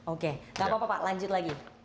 oke gak apa apa pak lanjut lagi